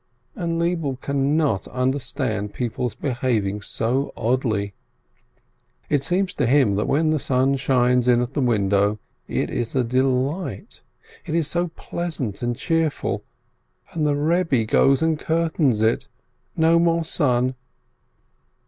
And Lebele cannot understand people's behaving so oddly. It seems to him that when the sun shines in at the window, it is a delight, it is so pleasant and cheerful, and the Eebbe goes and curtains it — no more sun